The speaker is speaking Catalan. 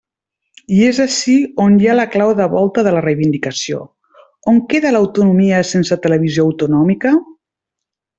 I és ací on hi ha la clau de volta de la reivindicació: ¿on queda l'autonomia sense televisió autonòmica?